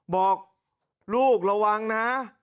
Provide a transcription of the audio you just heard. บอกลูกระวังนะ